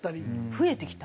増えてきた。